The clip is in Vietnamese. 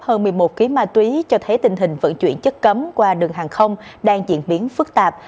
hơn một mươi một kg ma túy cho thấy tình hình vận chuyển chất cấm qua đường hàng không đang diễn biến phức tạp